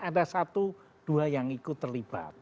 ada satu dua yang ikut terlibat